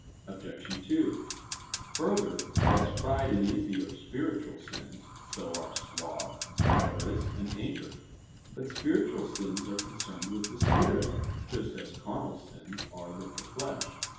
Obj. 2: Further, as pride and envy are spiritual sins, so are sloth, avarice, and anger. But spiritual sins are concerned with the spirit, just as carnal sins are with the flesh.